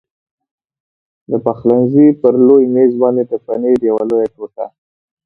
د پخلنځي پر لوی مېز باندې د پنیر یوه لویه ټوټه.